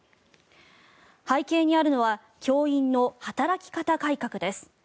背景にあるのは教員の働き方改革です。